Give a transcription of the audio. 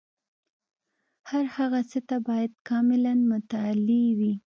هر هغه څه باید کاملاً متعالي وي.